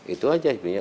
itu saja sebenarnya